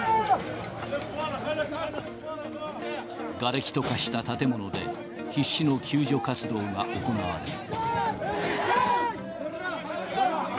がれきと化した建物で、必死の救助活動が行われる。